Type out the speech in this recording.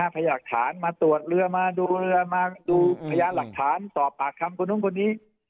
พยายามหลักฐานมาตรวจเรือมาดูเรือมาดูพยานหลักฐานสอบปากคำคนนู้นคนนี้